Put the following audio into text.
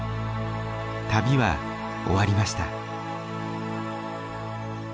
旅は終わりました。